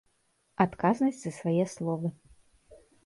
Адказнасць за свае словы.